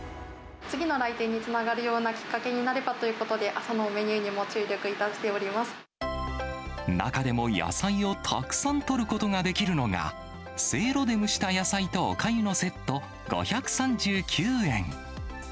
次の来店につながるようなきっかけになればということで、朝のメニューにも注力いたしてお中でも野菜をたくさんとることができるのが、せいろで蒸した野菜とおかゆのセット５３９円。